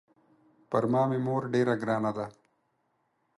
پر ما مې مور ډېره ګرانه ده.